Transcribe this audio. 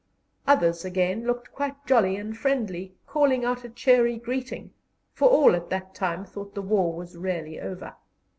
Others, again, looked quite jolly and friendly, calling out a cheery greeting, for all at that time thought the war was really over.